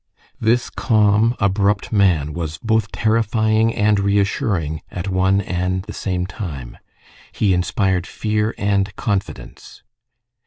This calm, abrupt man was both terrifying and reassuring at one and the same time. He inspired fear and confidence.